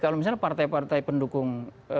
kalau misalnya partai partai pendukung